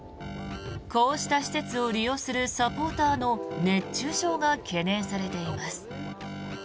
こうした施設を利用するサポーターの熱中症が懸念されています。